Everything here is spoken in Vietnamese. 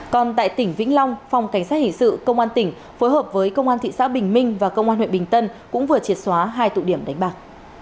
còn tại tỉnh vĩnh long phòng cảnh sát hình sự công an tỉnh phối hợp với công an thị xã bình minh và công an huyện bình tân cũng vừa triệt xóa hai tụ điểm đánh bạc